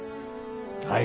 はい。